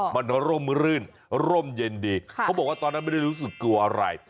มันร่มรื่นร่มเย็นดีเขาบอกว่าตอนนั้นไม่ได้รู้สึกกลัวอะไร